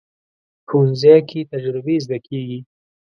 ښوونځی کې تجربې زده کېږي